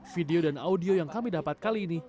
video dan audio yang kami dapat kali ini